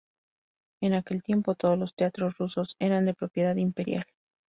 En aquel tiempo, todos los teatros rusos eran de propiedad imperial.